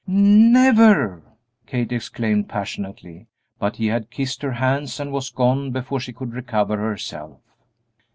"Never!" Kate exclaimed, passionately, but he had kissed her hands and was gone before she could recover herself.